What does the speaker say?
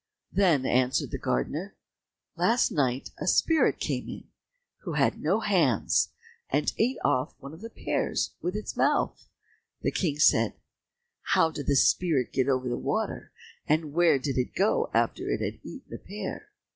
Then answered the gardener, "Last night, a spirit came in, who had no hands, and ate off one of the pears with its mouth." The King said, "How did the spirit get over the water, and where did it go after it had eaten the pear?"